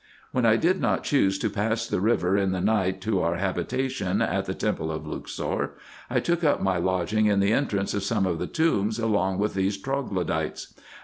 When I did not choose to pass the river in the night to our habita tion at the temple of Luxor, I took up my lodging in the entrance of some of the tombs along with those troglodytes.